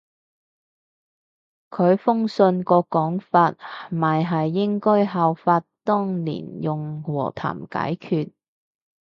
佢封信個講法咪係應該效法當年用和談解決